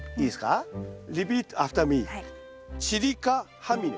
チリカハミネ。